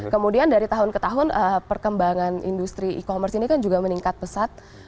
kemudian dari tahun ke tahun perkembangan industri e commerce ini kan juga meningkat pesat